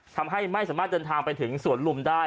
ทำให้ไม่สามารถเดินทางไปถึงสวนลุมได้